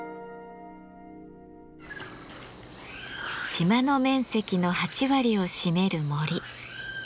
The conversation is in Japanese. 島の面積の８割を占める森。